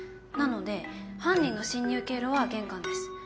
なので犯人の侵入経路は玄関です。